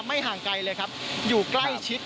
ห่างไกลเลยครับอยู่ใกล้ชิด